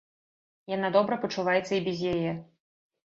Яна добра пачуваецца і без яе.